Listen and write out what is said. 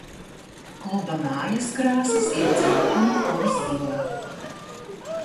Kluba mājas krāsas ir dzeltena un zila.